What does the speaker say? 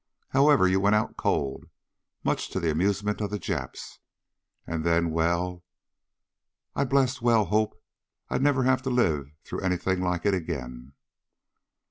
However, you went out cold, much to the amusement of the Japs. And then well, I blessed well hope I'll never have to live through anything like it again!"